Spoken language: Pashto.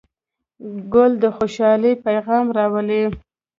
ګل د خوشحالۍ پیغام راوړي.